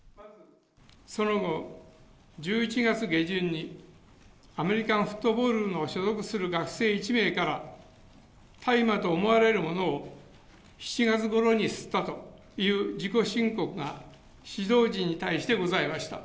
その後、１１月下旬に、アメリカンフットボールの所属する学生１名から、大麻と思われるものを７月ごろに吸ったという自己申告が、指導陣に対してございました。